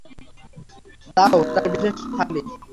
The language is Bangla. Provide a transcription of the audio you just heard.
দাও, তার বিশেষ থালি।